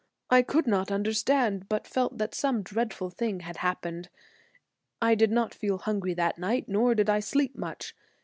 I could not understand, but felt that some dreadful thing had happened. I did not feel hungry that night, nor did I sleep much.